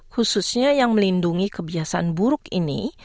khususnya yang melindungi kebiasaan buruk ini